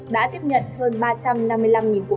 đã tiếp nhận hơn ba trăm năm mươi năm cuộc sống